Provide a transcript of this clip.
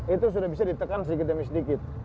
itu sudah bisa ditekan sedikit demi sedikit